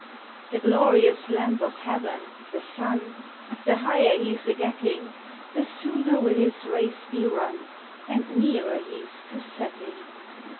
The glorious lamp of Heaven, the sun, The higher he s a getting. The sooner will his race be run, And nearer he s to setting.